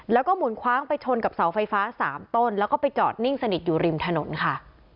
แล้วก็หมุนคว้างไปชนกับเสาไฟฟ้า๓ต้นแล้วก็ไปจอดนิ่งสนิทอยู่ริมถนนค่ะ